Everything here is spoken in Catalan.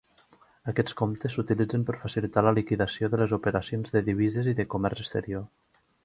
Aquests comptes s'utilitzen per facilitar la liquidació de les operacions de divises i de comerç exterior.